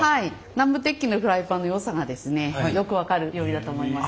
南部鉄器のフライパンのよさがですねよく分かる料理だと思います。